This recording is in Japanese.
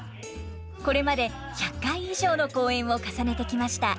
これまで１００回以上の公演を重ねてきました。